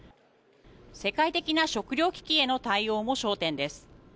世界的な食糧危機への対応も焦点です。